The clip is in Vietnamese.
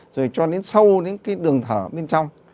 rồi cho đến sâu những cái đường thở bên trong